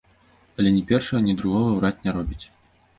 Але ні першага, ні другога ўрад не робіць.